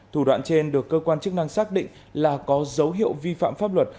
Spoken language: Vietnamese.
thủ đoạn trên được cơ quan chức năng xác định là có dấu hiệu vi phạm pháp luật